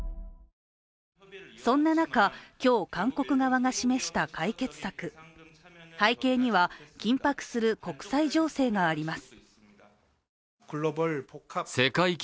そんな中、今日韓国側が示した解決策背景には、緊迫する国際情勢があります。